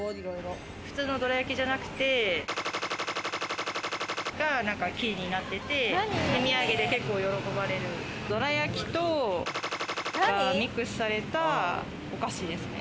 普通のどら焼きじゃなくて、が生地になってて、手土産で結構、喜ばれるどら焼きとがミックスされたお菓子ですね。